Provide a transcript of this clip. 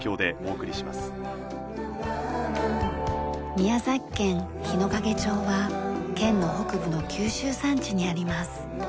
宮崎県日之影町は県の北部の九州山地にあります。